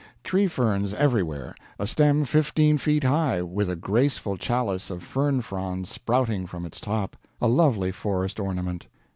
Tree ferns everywhere a stem fifteen feet high, with a graceful chalice of fern fronds sprouting from its top a lovely forest ornament.